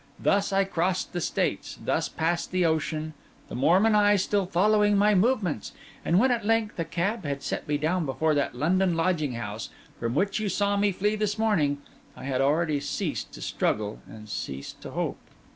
Thus I crossed the States, thus passed the ocean, the Mormon Eye still following my movements; and when at length a cab had set me down before that London lodging house from which you saw me flee this morning, I had already ceased to struggle and ceased to hope.